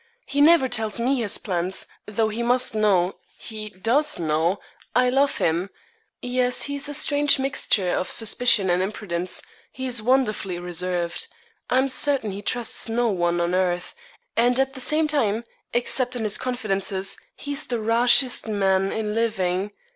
He never tells me his plans, though he must know he does know I love him; yes, he's a strange mixture of suspicion and imprudence. He's wonderfully reserved. I am certain he trusts no one on earth, and at the same time, except in his confidences, he's the rashest man living.